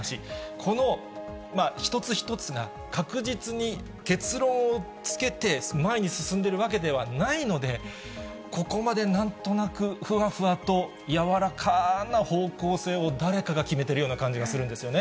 この一つ一つが、確実に結論をつけて前に進んでいるわけではないので、ここまでなんとなく、ふわふわと柔らかな方向性を誰かが決めてるような感じがするんですよね。